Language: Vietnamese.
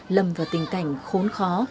lầm vào tình cảnh khốn khó